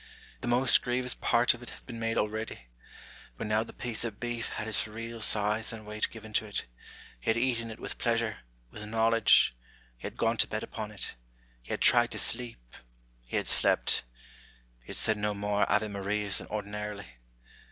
The most grievous part of it had been made already : but now the piece of beef had its real size and weight given to it ; he had eaten it with pleasure, with knowledge ; he had gone to bed upon it ; he had tried to sleep ; he had slept ; he had said no more ave~marias than ordinarily.